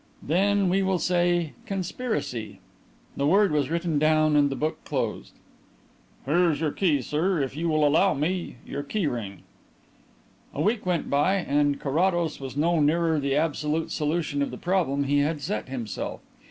"Then we will say 'Conspiracy.'" The word was written down and the book closed. "Here is your key, sir. If you will allow me your key ring " A week went by and Carrados was no nearer the absolute solution of the problem he had set himself.